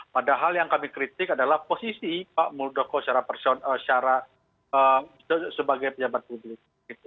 padahal yang kami kritik adalah posisi pak muldoko secara sebagai pejabat publik